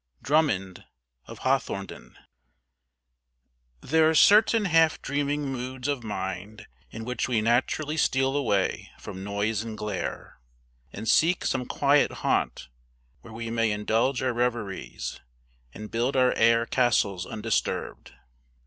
DRUMMOND OF HAWTHORNDEN. THERE are certain half dreaming moods of mind in which we naturally steal away from noise and glare, and seek some quiet haunt where we may indulge our reveries and build our air castles undisturbed.